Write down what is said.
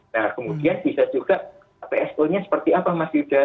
nah kemudian bisa juga pso nya seperti apa mas yuda